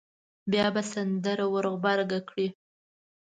بیا به سندره ور غبرګه کړي.